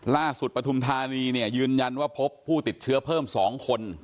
ล่าสุดปฐมธานียืนยันว่าพบผู้ติดเชื้อเพิ่ม๒คน